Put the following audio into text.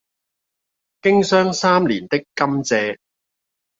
經霜三年的甘蔗，